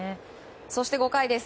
そして５回です。